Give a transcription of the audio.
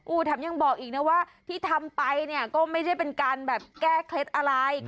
แถมยังบอกอีกนะว่าที่ทำไปเนี่ยก็ไม่ได้เป็นการแบบแก้เคล็ดอะไร